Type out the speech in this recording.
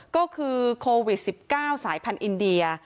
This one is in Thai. ก็คือโควิด๑๙สายพันธุ์อินเดีย